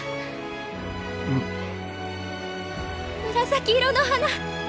紫色の花。